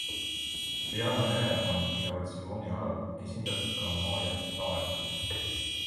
Peale mere on innovatsioonialal esindatud ka maa ja taevas.